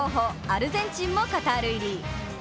アルゼンチンもカタール入り。